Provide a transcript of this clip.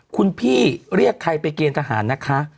คุณพี่เรียกใครไปเกณฑ์ทหารนะคะ